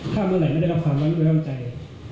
ถ้าเมื่อไหร่ไม่ได้รับความไว้วางใจ